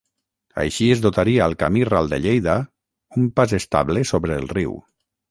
Així es dotaria al camí ral de Lleida un pas estable sobre el riu.